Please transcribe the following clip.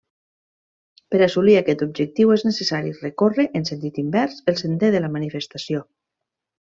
Per assolir aquest objectiu és necessari recórrer, en sentit invers, el sender de la manifestació.